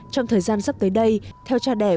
trong thời gian sắp tới đây theo cha đẻ của robot mota